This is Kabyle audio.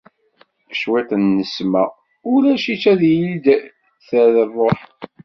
Cwiṭ n nnesma ulac-itt ad iyi-d-terr rruḥ.